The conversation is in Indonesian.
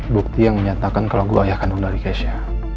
bukti yang menyatakan kalau gue ayah kandung dari kesha